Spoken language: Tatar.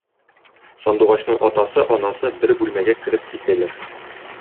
Сандугачның атасы, анасы бер бүлмәгә кереп китәләр.